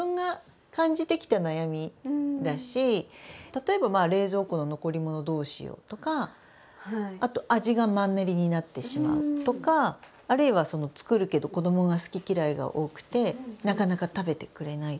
例えば冷蔵庫の残り物どうしようとかあと味がマンネリになってしまうとかあるいは作るけど子どもが好き嫌いが多くてなかなか食べてくれないとか。